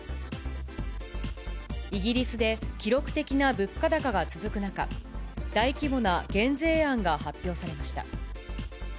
イギリスで、記録的な物価高が続く中、大規模な減税案が発表されました。